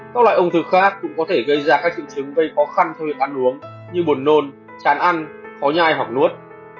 các loại ung thư khác cũng có thể gây ra các triệu chứng gây khó khăn thuê ăn uống như buồn nôn chán ăn khó nhai hoặc nuốt